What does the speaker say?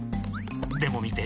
でもみて。